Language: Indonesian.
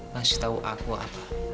kasih tau aku apa